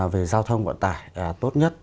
về giao thông vận tải tốt nhất